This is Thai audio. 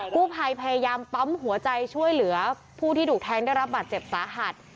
กู้ภัยพยายามปั๊มหัวใจช่วยเหลือผู้ที่ถูกแทงได้รับบาดเจ็บสาหัส